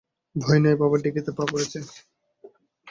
ভয় নেই বাবা, ঢেঁকিতে পা পড়েছে।